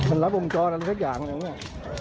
มันรับองค์จอร์อะไรแทบอย่างไงวะ